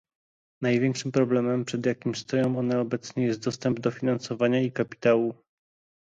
Największym problemem, przed jakim stoją one obecnie jest dostęp do finansowania i kapitału